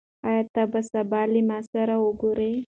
آيا ته به سبا له ما سره وګورې؟